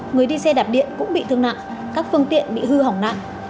người đi xe đạp điện cũng bị thương nặng các phương tiện bị hư hỏng nặng